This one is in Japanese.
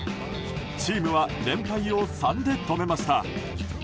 チームは連敗を３で止めました。